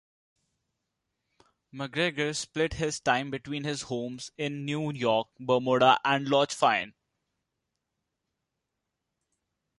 MacGregor split his time between his homes in New York, Bermuda and Loch Fyne.